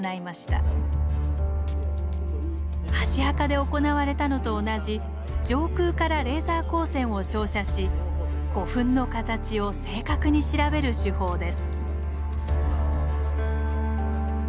箸墓で行われたのと同じ上空からレーザー光線を照射し古墳の形を正確に調べる手法です。